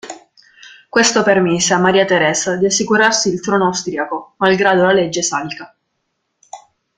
Questo permise a Maria Teresa di assicurarsi il trono austriaco malgrado la Legge salica.